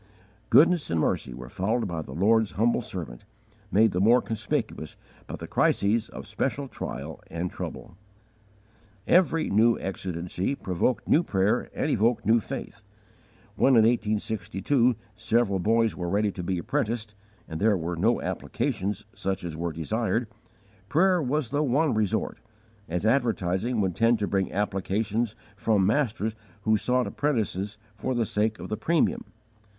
Goodness and mercy were following the Lord's humble servant, made the more conspicuous by the crises of special trial and trouble. Every new exigency provoked new prayer and evoked new faith. When, in 1862, several boys were ready to be apprenticed, and there were no applications such as were desired, prayer was the one resort, as advertising would tend to bring applications from masters who sought apprentices for the sake of the premium.